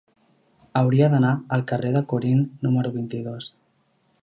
Hauria d'anar al carrer de Corint número vint-i-dos.